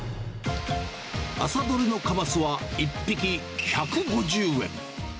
朝どれのカマスは１匹１５０円。